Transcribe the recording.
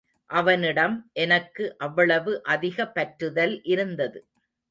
அவனிடம் எனக்கு அவ்வளவு அதிக பற்றுதல் இருந்தது.